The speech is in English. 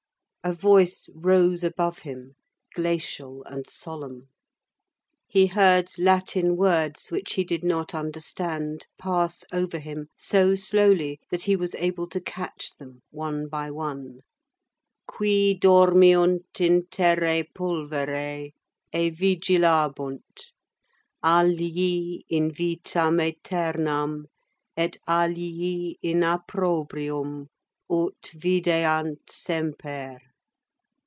A voice rose above him, glacial and solemn. He heard Latin words, which he did not understand, pass over him, so slowly that he was able to catch them one by one:— _"Qui dormiunt in terræ pulvere, evigilabunt; alii in vitam æternam, et alii in approbrium, ut videant semper."